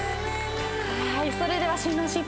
それでは。